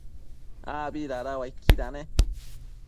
abi dada uaiquida ne?